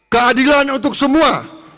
keadilan untuk semua